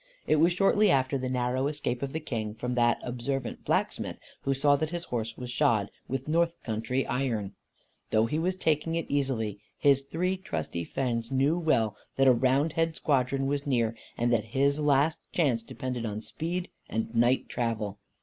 It was shortly after the narrow escape of the King from that observant blacksmith, who saw that his horse was shod with North country iron. Though he was taking it easily, his three trusty friends knew well that a Roundhead Squadron was near, and that his last chance depended on speed and night travel.